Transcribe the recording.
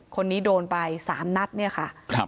คนนี้โดนไป๓นัดเนี่ยค่ะ